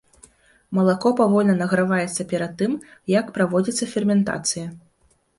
Малако павольна награваецца перад тым, як праводзіцца ферментацыя.